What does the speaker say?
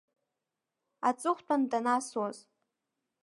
Аҵыхәтәан данасуаз.